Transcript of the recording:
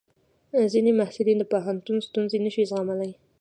ځینې محصلین د پوهنتون ستونزې نشي زغملی.